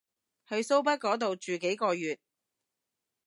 去蘇北嗰度住幾個月